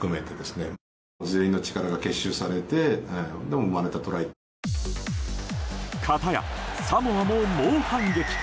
かたや、サモアも猛反撃。